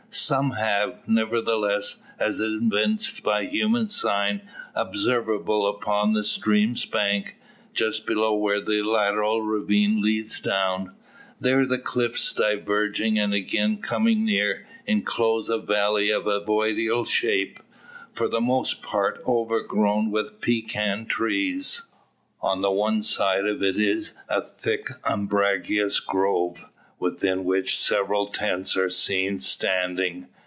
Some have, nevertheless, as evinced by human sign observable upon the stream's bank, just below where the lateral ravine leads down. There the cliffs diverging, and again coming near, enclose a valley of ovoidal shape, for the most part overgrown with pecan trees. On one side of it is a thick umbrageous grove, within which several tents are seen standing.